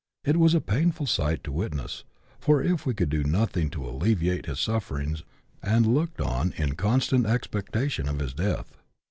It was a painful sight to witness, for we could do nothing to alle viate his sufferings, and looked on in constant expectation of his death.